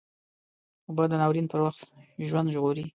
اوبه د ناورین پر وخت ژوند ژغوري